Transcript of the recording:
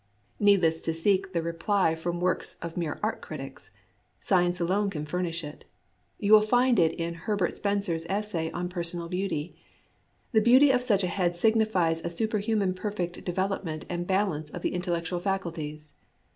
Needless to seek the reply from works of mere art critics. Science alone can furnish it. You will find it in Herbert Spencer's essay on Personal Beauty. The beauty of such a head signifies a superhu manly perfect development and balance of the intellectual faculties.